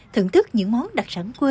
thưởng thức những món đặc sản quê